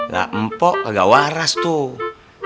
ga empok ga waras tuh